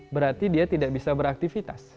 berarti dia tidak bisa beraktivitas